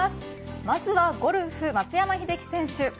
まずはゴルフ、松山英樹選手。